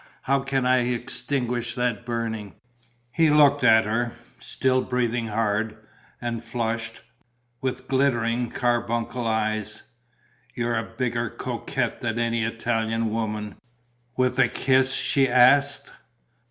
"How can I extinguish that burning?" He looked at her, still breathing hard, and flushed, with glittering carbuncle eyes: "You're a bigger coquette than any Italian woman." She laughed: "With a kiss?" she asked.